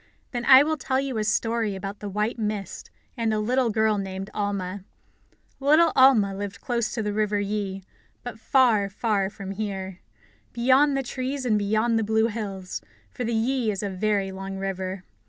Then I will tell you a story about the white mist and a little girl named Alma. Little Alma lived close to the River Yi, but far, far from here, beyond the trees and beyond the blue hills, for the Yi is a very long river.